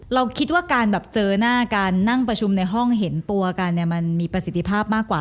เราคิดว่าเจอหน้าการนั่งประชุมในห้องเห็นตัวกันมีประสิทธิภาพมากกว่า